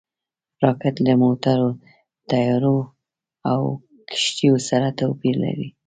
راکټ له موټرو، طیارو او کښتیو سره توپیر لري